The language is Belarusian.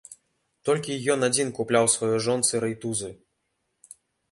Толькі ён адзін купляў сваёй жонцы рэйтузы.